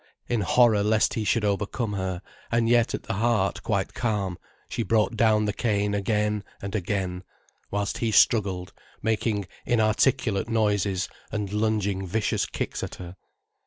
In horror lest he should overcome her, and yet at the heart quite calm, she brought down the cane again and again, whilst he struggled making inarticulate noises, and lunging vicious kicks at her.